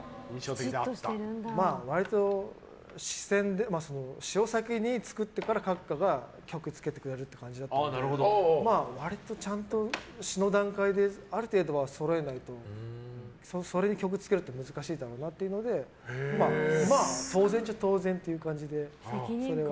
割と詩を先に作ってから閣下が曲をつけてくれるっていう感じだったので割と詞の段階である程度はそろえないとそれに曲をつけるのは難しいだろうなということで当然っちゃ当然という感じで。